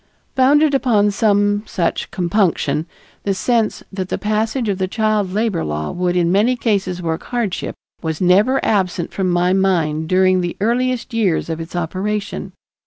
Founded upon some such compunction, the sense that the passage of the child labor law would in many cases work hardship, was never absent from my mind during the earliest years of its operation.